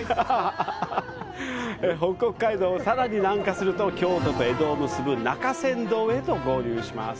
北国街道をさらに南下すると京都と江戸を結ぶ中山道へと合流します。